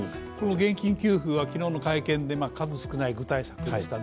現金給付は昨日の会見で数少ない具体策でしたね。